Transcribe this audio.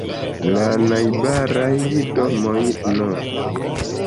La najbaraj domoj nr.